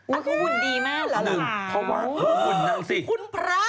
อุ๊ยคือหุ่นดีมากหละคาวคุณพระ